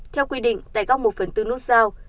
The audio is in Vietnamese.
theo quy định tại góc một phần tư nút giao